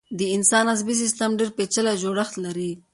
د انسان عصبي سيستم ډېر پيچلی جوړښت لري.